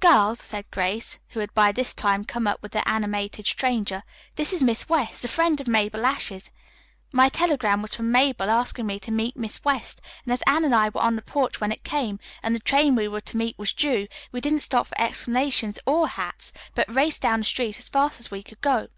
"Girls," said Grace, who had by this time come up with the animated stranger, "this is Miss West, a friend of Mabel Ashe's. My telegram was from Mabel asking me to meet Miss West, and as Anne and I were on the porch when it came, and the train we were to meet was due, we didn't stop for explanations or hats, but raced down the street as fast as we could go."